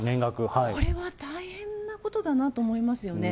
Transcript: これは大変なことだなと思いますよね。